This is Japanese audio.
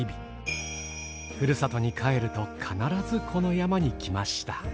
ふるさとに帰ると必ずこの山に来ました。